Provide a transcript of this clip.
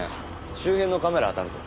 周辺のカメラあたるぞ。